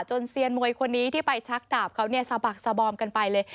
เซียนมวยคนนี้ที่ไปชักดาบเขาเนี่ยสะบักสบอมกันไปเลย